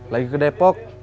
lagi ke depok